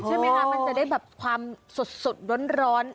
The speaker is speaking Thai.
ใช่ไหมคะมันจะได้แบบความสดร้อน